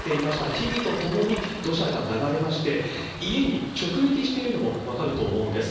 木々とともに土砂が流れまして、家に直撃しているのも分かると思うんです。